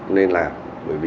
nên là bởi vì